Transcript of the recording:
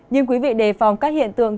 nhưng quý vị đề phòng các hiện tượng